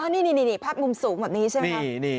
นี่พัดมุมสูงแบบนี้ใช่ไหมครับ